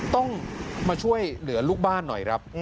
ต้องมาช่วยเหลือลูกบ้านหน่อยครับ